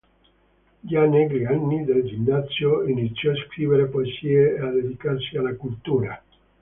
Già negli anni del ginnasio iniziò a scrivere poesie e a dedicarsi alla cultura.